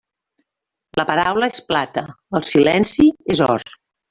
La paraula és plata, el silenci és or.